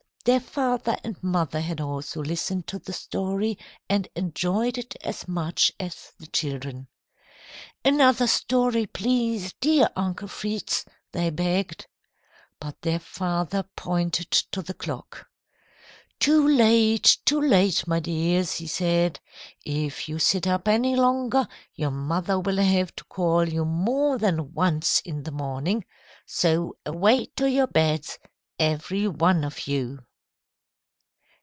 Their father and mother had also listened to the story and enjoyed it as much as the children. "Another story, please, dear Uncle Fritz," they begged. But their father pointed to the clock. "Too late, too late, my dears," he said. "If you sit up any longer, your mother will have to call you more than once in the morning. So, away to your beds, every one of you."